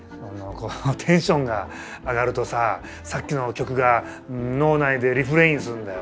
テンションが上がるとさぁさっきの曲が脳内でリフレインするんだよ。